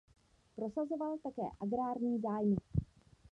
Prosazoval také agrární zájmy.